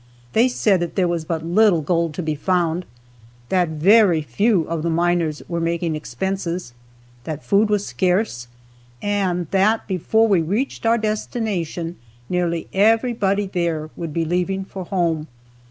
They said that there was but little gold to be found, that very few of the miners were making expenses, that food was scarce, and that before we reached our destination, nearly everybody there would be leaving for home.